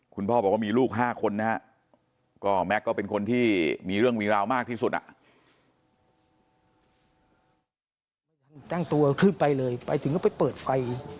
คุณพ่อบอกว่ามีลูก๕คนนะฮะก็แม็กซ์ก็เป็นคนที่มีเรื่องมีราวมากที่สุดอ่ะ